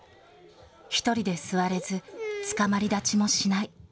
１人で座れず、つかまり立ちもしない。